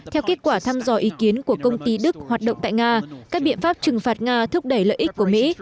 theo kết quả thăm dò ý kiến của công ty đức hoạt động tại nga các biện pháp trừng phạt nga thúc đẩy lợi ích của mỹ